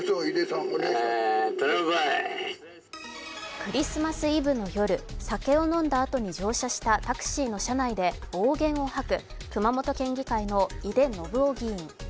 クリスマスイブの夜、酒を飲んだあとに乗車したタクシーの車内で暴言を吐く熊本県議会の井手順雄議員。